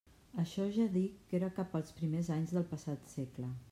Això ja dic que era cap als primers anys del passat segle.